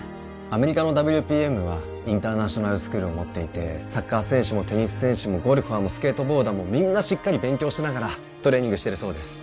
アメリカのＷＰＭはインターナショナルスクールを持っていてサッカー選手もテニス選手もゴルファーもスケートボーダーもみんなしっかり勉強しながらトレーニングしてるそうです